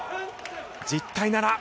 １０対７。